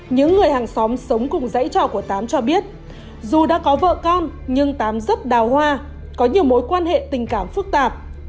những người hàng xóm sống cùng dãy trò của tám cho biết dù đã có vợ con nhưng tám rất đào hoa có nhiều mối quan hệ tình cảm phức tạp